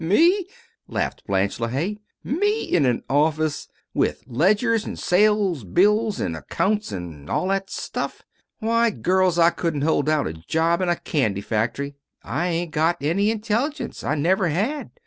"Me?" laughed Blanche LeHaye. "Me! In a office! With ledgers, and sale bills, and accounts, and all that stuff! Why, girls, I couldn't hold down a job in a candy factory. I ain't got any intelligence. I never had.